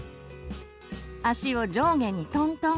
足を上下にトントン。